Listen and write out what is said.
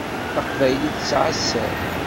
Taqbaylit tesεa sser.